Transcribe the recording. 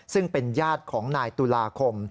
ซึ่งเป็นญาติของนายตุลาคม